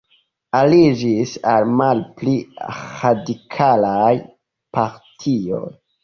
Aliĝis al malpli radikalaj partioj.